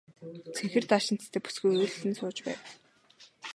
Цэнхэр даашинзтай бүсгүй уйлан сууж байв.